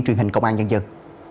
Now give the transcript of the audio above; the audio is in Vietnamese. truyền hình công an nhân dân